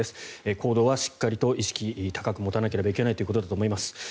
行動はしっかりと意識を高く持たなければいけないということだと思います。